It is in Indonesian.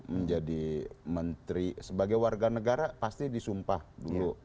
menjadi menteri sebagai warga negara pasti disumpah dulu